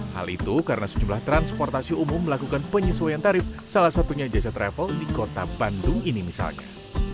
hal itu karena sejumlah transportasi umum melakukan penyesuaian tarif salah satunya jasa travel di kota bandung ini misalnya